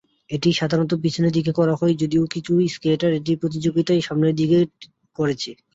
এটি সাধারণত পিছনের দিকে করা হয়, যদিও কিছু স্কেটার এটি প্রতিযোগিতায় সামনের দিকে করেছে।